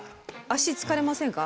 足疲れませんか？